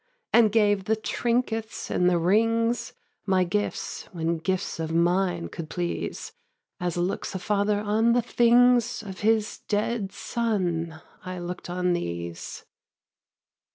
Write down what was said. And gave the trinkets and the rings, My gifts, when gifts of mine could please; As looks a father on the things Of his dead son, I look'd on these.